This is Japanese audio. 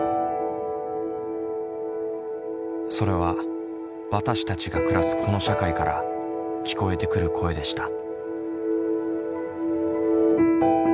それは「わたしたち」が暮らすこの社会から聞こえてくる声でした。